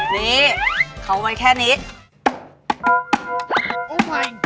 นี่เขาไว้แค่นี้